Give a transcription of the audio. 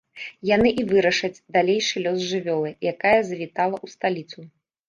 Яны і вырашаць далейшы лёс жывёлы, якая завітала ў сталіцу.